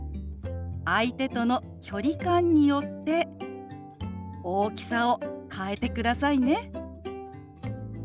相手との距離感によって大きさを変えてくださいね。